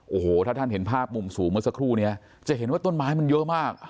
โอ้โหถ้าท่านเห็นภาพมุมสูงเมื่อสักครู่นี้จะเห็นว่าต้นไม้มันเยอะมาก